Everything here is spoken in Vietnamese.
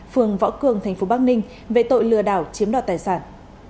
phương võ cường thành phố bắc ninh về tội lừa đảo chiếm đoạt tài sản